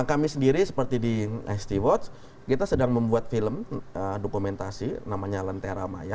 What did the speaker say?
kami sendiri seperti di st watch kita sedang membuat film dokumentasi namanya lentera maya